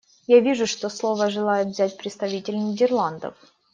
Я вижу, что слово желает взять представитель Нидерландов.